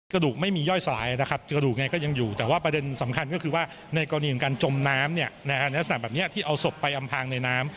กระดูกไม่มีย่อยสลายนะครับกระดูกไงก็ยังอยู่แต่ว่าประเด็นสำคัญก็คือว่าในกรณีของการจมน้ำเนี่ยในลักษณะแบบนี้ที่เอาศพไปอำพางในน้ำ